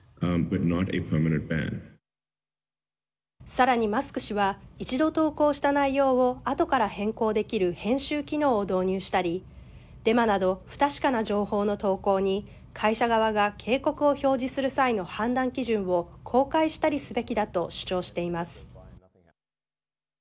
さらにマスク氏は一度投稿した内容をあとから変更できる編集機能を導入したりデマなど不確かな情報の投稿に会社側が警告を表示する際の判断基準を公開したりすべきだと主張しています。